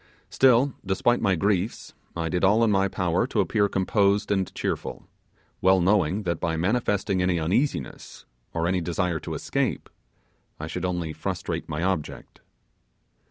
Still, despite my griefs, I did all in my power to appear composed and cheerful, well knowing that by manifesting any uneasiness, or any desire to escape, I should only frustrate my object.